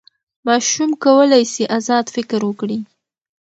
ماشوم کولی سي ازاد فکر وکړي.